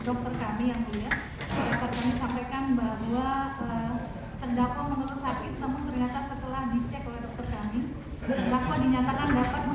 dokter kami yang lihat dokter kami sampaikan bahwa terdakwa menelusakit namun ternyata setelah dicek oleh dokter kami terdakwa dinyatakan dapat menghadiri perlaksanaan